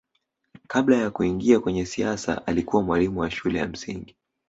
kabla ya kuingia kwenye siasa alikuwa mwalimu wa shule ya msingi